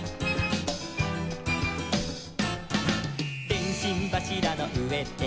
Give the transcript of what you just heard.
「でんしんばしらの上で」